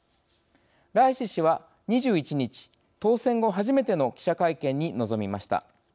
ライシ師は、２１日当選後初めての記者会見に臨みました。